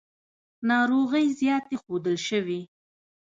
ناروغۍ زیاتې ښودل شوې.